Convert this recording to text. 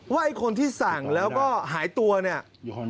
ไอ้คนที่สั่งแล้วก็หายตัวเนี่ย